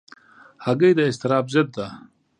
هګۍ د اضطراب ضد ده.